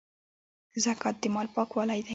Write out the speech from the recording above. زکات د مال پاکوالی دی